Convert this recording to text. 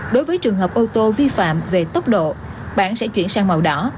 đối với trường hợp ô tô vi phạm về tốc độ bạn sẽ chuyển sang màu đỏ